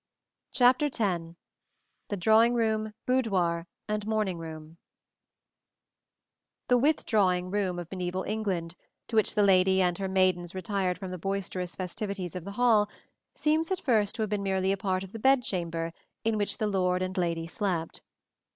X THE DRAWING ROOM, BOUDOIR, AND MORNING ROOM The "with drawing room" of mediæval England, to which the lady and her maidens retired from the boisterous festivities of the hall, seems at first to have been merely a part of the bedchamber in which the lord and lady slept.